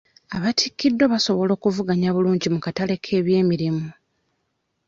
Abattikiddwa basobola okuvuganya obulungi mu katale ky'ebyemirimu.